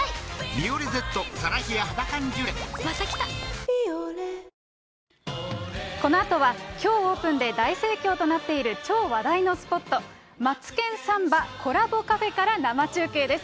「ビオレ」きょうオープンで大盛況となっている超話題のスポット、マツケンサンバコラボカフェから生中継です。